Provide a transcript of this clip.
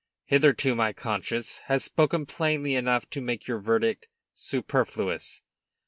"Hitherto, my conscience has spoken plainly enough to make your verdict superfluous.